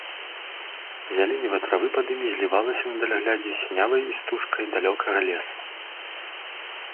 Зяленіва травы пад імі злівалася на даляглядзе з сінявай істужкай далёкага лесу.